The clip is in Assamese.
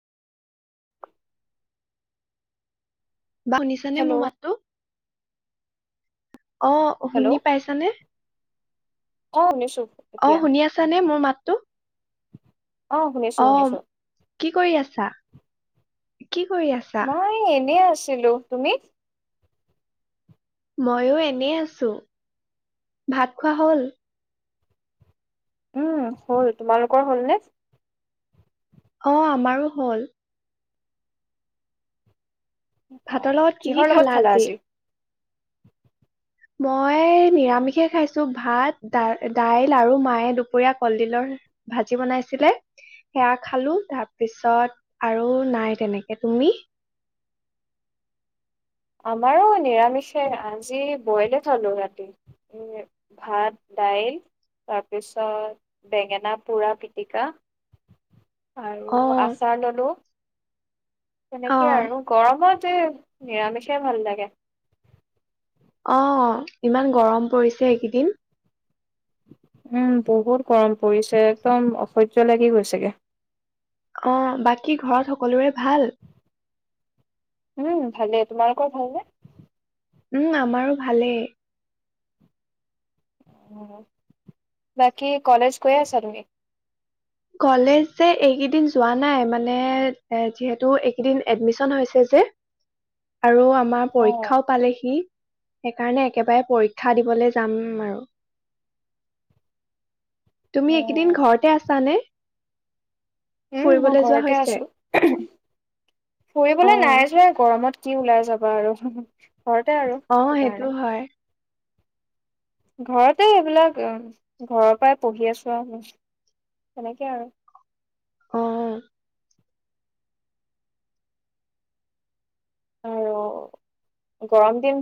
[inaudible] বা শুনিছানে মোৰ হেল্ল' মাতটো অ হেল্ল' শুনি পাইছানে অ শুনিছো অ এতিয়া শুনি আছানে মোৰ মাতটো অ শুনিছো অ শুনিছো কি কৰি আছা কি কৰি আছা? মই এনে আ ছিলো তুমি মইয়ো এনেই আছো ভাত খোৱা হল উম হ'ল তোমালোকৰ হ'ল নে অ আমাৰো হ'ল অ ভাতৰ লগত কি কি কিহৰ লগত খালা আজি মই নিৰামিষে খাইছো ভাত দা দাইল আৰু মায়ে দুপৰীয়া কলডিলৰ ভাজি বনাইছিলে সেয়া খালো তাৰপিছত আৰু নাই তেনেকে তুমি আমাৰো নিৰামিষে আজি বইলে থলোঁ ৰাতি ভাত দাইল তাৰপিছত বেঙেনা পোৰা পিটিকা আৰু অ' আচাৰ ললো তেনেকে অ' আৰু গৰমত তে নিৰামিষে ভাল লাগে অ ইমান গৰম কৰিছে এইকেইদিন উম বহুত গৰম পৰিছে একদম অসহ্য লাগি গৈছেগে অ বাকী ঘৰত সকলোৰে ভাল উম ভালেই তোমালোকৰ ভালনে উম আমাৰো ভালেই বাকী কলেজ গৈ আছা তুমি লে যে এই যোৱা নাই মানে যিহেতু এইকেইদিন এডমিন হৈছে যে আৰু আমাৰ অ', পৰীক্ষাও পালে সি সেইকাৰণে একেবাৰে পৰীক্ষা দিবলৈ যাম আৰু তুমি এইকেইদিন অ'। ঘৰতে আছ নে উম মই যোৱা ঘৰতে হৈছে? আছো ফুৰিবলৈ অ', নাই যোৱা গৰমত কি ওলাই যাবা আৰু ঘৰতে আৰু অ', সেইটো কাৰণে হয় ঘৰতে এইবিলাক ঘৰৰ পৰাই পঢ়ি আছো আৰুি সনেকে আৰু অ আৰু গৰম দিন